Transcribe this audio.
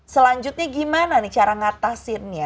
selanjutnya gimana nih cara ngatasinnya